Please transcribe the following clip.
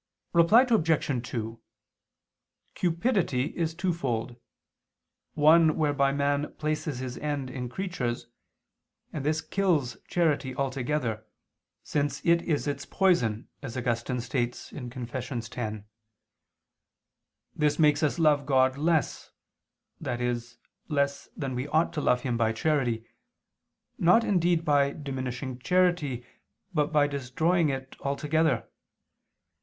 Reply Obj. 2: Cupidity is twofold, one whereby man places his end in creatures, and this kills charity altogether, since it is its poison, as Augustine states (Confess. x). This makes us love God less (i.e. less than we ought to love Him by charity), not indeed by diminishing charity but by destroying it altogether.